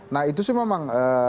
nah itu sih memang